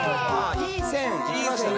いい線いきましたね